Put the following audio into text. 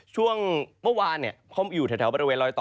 ช่วงเมื่อวานเขาอยู่แถวบริเวณลอยต่อ